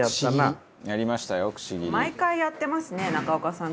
毎回やってますね中岡さん